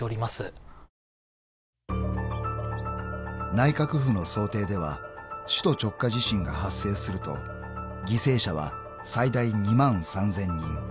［内閣府の想定では首都直下地震が発生すると犠牲者は最大２万３，０００人］